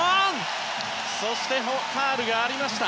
そしてファウルがありました。